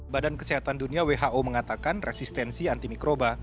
badan kesehatan dunia who mengatakan resistensi antimikroba